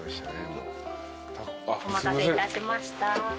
お待たせいたしました。